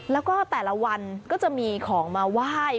แล้วก็แต่ละวันก็จะมีของมาไหว้